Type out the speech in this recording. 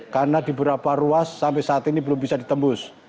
karena di beberapa ruas sampai saat ini belum bisa ditembus